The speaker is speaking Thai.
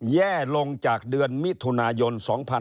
แย่ลงจากเดือนมิถุนายน๒๕๖๒